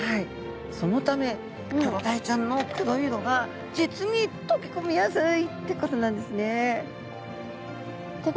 そのためクロダイちゃんの黒い色が実に溶け込みやすいってことなんですね。